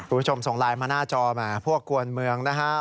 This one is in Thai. คุณผู้ชมส่งไลน์มาหน้าจอแหมพวกกวนเมืองนะฮะ